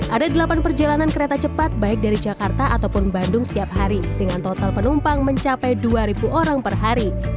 ada delapan perjalanan kereta cepat baik dari jakarta ataupun bandung setiap hari dengan total penumpang mencapai dua orang per hari